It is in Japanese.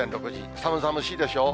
寒々しいでしょう。